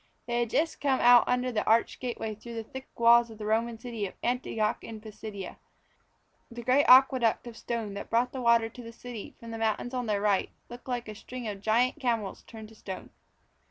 They had just come out under the arched gateway through the thick walls of the Roman city of Antioch in Pisidia. The great aqueduct of stone that brought the water to the city from the mountains on their right looked like a string of giant camels turned to stone.